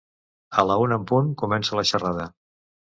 A la una en Punt comença la xerrada.